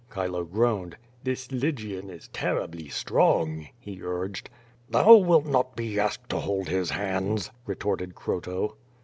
Chilo groaned. "This Lygian is terribly strong," he urged. "Thou wilt not be asked to hold his hands," retorted Croto.